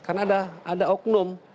karena ada oknum